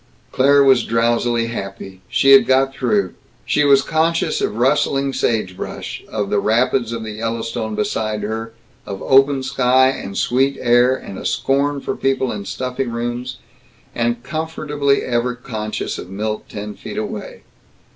Claire was drowsily happy. She had got through. She was conscious of rustling sagebrush, of the rapids of the Yellowstone beside her, of open sky and sweet air and a scorn for people in stuffy rooms, and comfortably ever conscious of Milt, ten feet away.